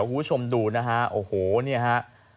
เจอกับคุณผู้ชมดูนะฮะโอ้โหนี่ฮะ